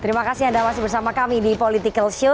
terima kasih anda masih bersama kami di politikalshow